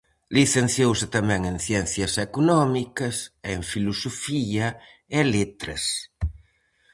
Licenciouse tamén en Ciencias Económicas e en Filosofía e Letras.